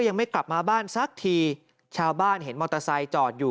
ยังไม่กลับมาบ้านสักทีชาวบ้านเห็นมอเตอร์ไซค์จอดอยู่